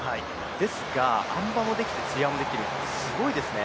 ですがあん馬もできてつり輪もできる、すごいですね。